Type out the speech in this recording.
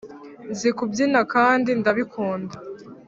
nzi kubyina kandi ndabikunda.